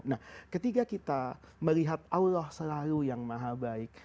nah ketika kita melihat allah selalu yang maha baik